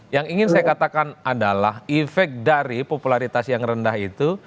yang ingin saya katakan adalah efek dari popularitas yang rendah itu